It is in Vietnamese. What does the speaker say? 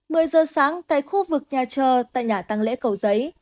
một mươi giờ sáng tại khu vực nhà chờ tại nhà tăng lễ cầu giấy